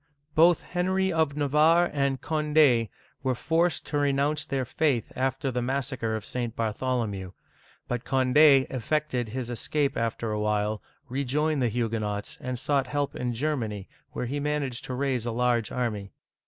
Both Henry of Navarre and Cond6 were forced to re nounce their faith after the massacre of St. Bartholomew ; but Cond6 effected his escape after a while, rejoined the Huguenots, and sought help in Germany, where he managed to raise a large army.